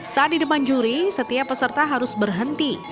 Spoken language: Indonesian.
saat di depan juri setiap peserta harus berhenti